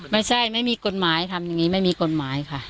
ไม่มีกฎหมายทำอย่างนี้ไม่มีกฎหมายค่ะ